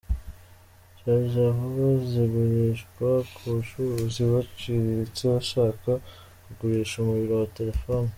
Sharja Vuba zigurishwa ku bacuruzi baciriritse bashaka kugurisha umuriro wa telefoni.